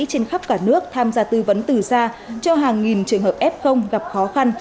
trên khắp cả nước tham gia tư vấn từ xa cho hàng nghìn trường hợp f gặp khó khăn